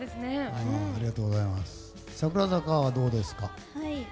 櫻坂はどうですか？